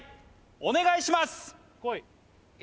お願いします